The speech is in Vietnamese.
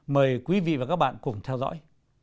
mời quý vị và các bạn cùng theo dõi